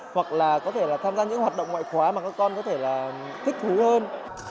hoặc là có thể là tham gia những hoạt động ngoại khóa mà các con có thể là thích thú hơn